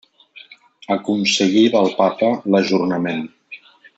Aconseguí del Papa l’ajornament.